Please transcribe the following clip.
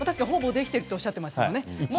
ほぼできてるとおっしゃってましたね。